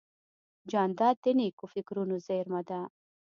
جانداد د نیکو فکرونو زېرمه ده.